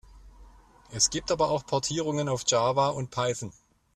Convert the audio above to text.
Es gibt aber auch Portierungen auf Java und Python.